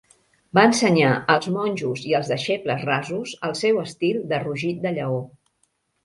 Va ensenyar als monjos i els deixebles rasos el seu estil de rugit de lleó.